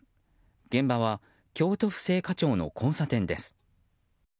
現場は京都府精華町の交差点です。